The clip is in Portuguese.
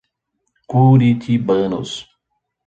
Curitibanos